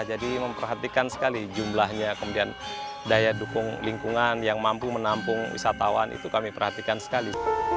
jadi memperhatikan sekali jumlahnya kemudian daya dukung lingkungan yang mampu menampung wisatawan itu kami perhatikan sekali